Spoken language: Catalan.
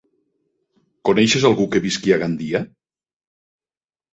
Coneixes algú que visqui a Gandia?